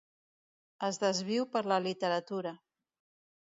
Es desviu per la literatura.